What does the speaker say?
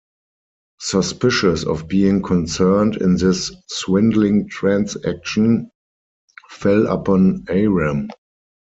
Suspicions of being concerned in this swindling transaction fell upon Aram.